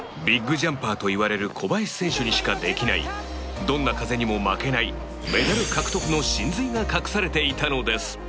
ビッグジャンパーといわれる小林選手にしかできないどんな風にも負けないメダル獲得の真髄が隠されていたのです